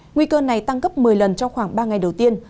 nguy cơ này tăng gấp một mươi lần trong khoảng ba ngày đầu tiên